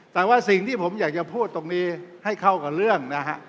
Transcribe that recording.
แต่ว่าสิ่งที่ผมอยากจะพูดตรงนี้ให้เข้ากับเรื่องนะฮะ